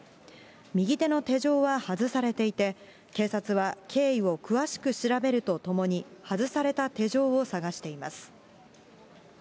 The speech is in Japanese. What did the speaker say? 右手の手錠は外されていて、警察は、経緯を詳しく調べるとともに、外された手錠を探しています。